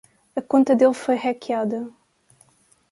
A conta dele foi hackeada.